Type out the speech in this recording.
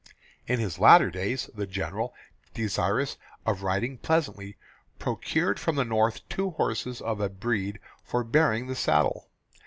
In his later days, the General, desirous of riding pleasantly, procured from the North two horses of a breed for bearing the saddle.